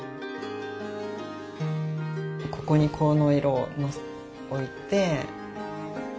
ここにこの色を置いて。